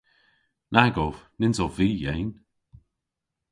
Nag ov. Nyns ov vy yeyn.